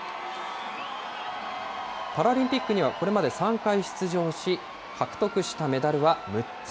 パラリンピックにはこれまで３回出場し、獲得したメダルは６つ。